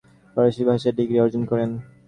তিনি ফরাসি ভাষায় ডিগ্রি অর্জন করেন।